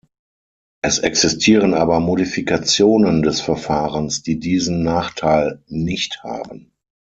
Es existieren aber Modifikationen des Verfahrens, die diesen Nachteil nicht haben.